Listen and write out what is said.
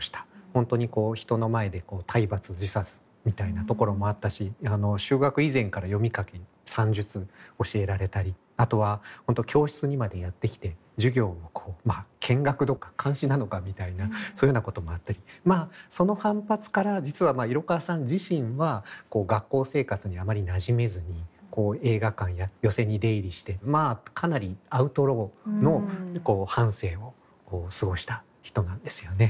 本当にこう人の前で体罰辞さずみたいなところもあったし就学以前から読み書き算術教えられたりあとは本当教室にまでやって来て授業を見学どころか監視なのかみたいなそういうようなこともあったりその反発から実は色川さん自身は学校生活にあまりなじめずに映画館や寄席に出入りしてまあかなりアウトローの半生を過ごした人なんですよね。